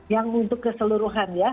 yang untuk keseluruhan ya